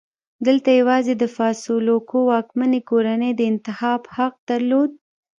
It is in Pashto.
دلته یوازې د فاسولوکو واکمنې کورنۍ د انتخاب حق درلود.